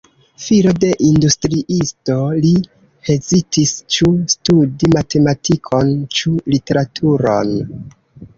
Filo de industriisto, li hezitis ĉu studi matematikon ĉu literaturon.